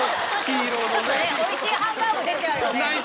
おいしいハンバーグ出ちゃうよね。